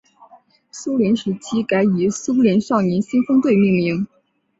苏联时期改以苏联少年先锋队命名。